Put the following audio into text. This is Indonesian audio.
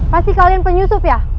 pasti kalian penyusup ya